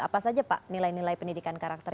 apa saja pak nilai nilai pendidikan karakter